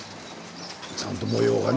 ちゃんと模様がね。